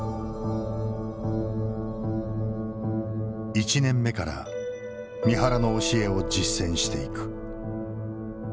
１年目から三原の教えを実践していく。